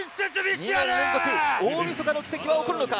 ２年連続大みそかの奇跡は起こるのか？